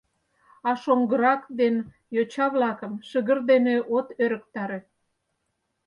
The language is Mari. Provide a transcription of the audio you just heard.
А шоҥгырак ден йоча-влакым шыгыр дене от ӧрыктаре.